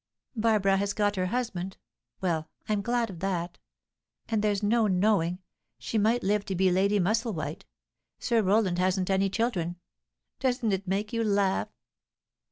Barbara has got her husband; well, I'm glad of that. And there's no knowing; she might live to be Lady Musselwhite. Sir Roland hasn't any children. Doesn't it make you laugh?"